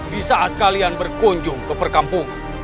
di saat kalian berkunjung ke perkampung